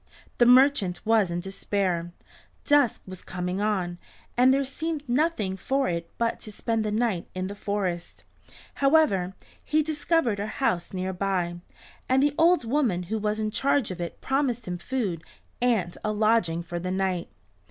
The merchant was in despair. Dusk was coming on, and there seemed nothing for it but to spend the night in the forest. However, he discovered a house near by, and the old woman who was in charge of it promised him food and a lodging for the night.